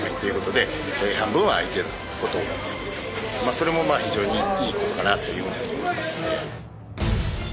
それも非常にいいことかなというふうに思いますね。